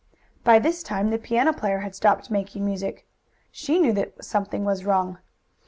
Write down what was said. By this time the piano player had stopped making music. She knew that something was wrong.